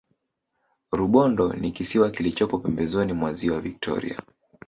rubondo ni kisiwa kilichopo pembezoni mwa ziwa victoria